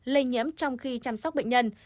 lây nhiễm trong khi chăm sóc bệnh nhân